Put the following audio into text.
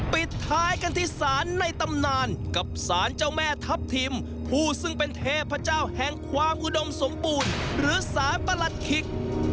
ปิดท้ายกันที่ศาลในตำนานกับสารเจ้าแม่ทัพทิมผู้ซึ่งเป็นเทพเจ้าแห่งความอุดมสมบูรณ์หรือสารประหลัดขิก